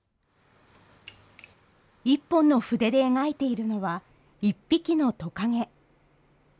１本の筆で描いているのは１匹のトカゲ。